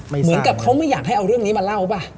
เหมือนกับเขาไม่อยากให้เอาเรื่องนี้มาเล่าป่ะ